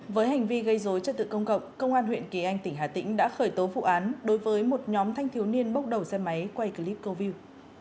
với hành vi gây dối trật tự công cộng công an huyện kỳ anh tỉnh hà tĩnh đã khởi tố vụ án đối với một nhóm thanh thiếu niên bốc đầu xe máy quay clip câu view